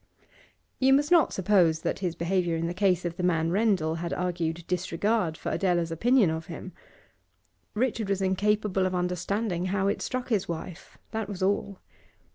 You must not suppose that his behaviour in the case of the man Rendal had argued disregard for Adela's opinion of him. Richard was incapable of understanding how it struck his wife, that was all.